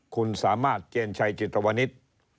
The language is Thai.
คุณสามารถเจนชัยจิตวนิษฐ์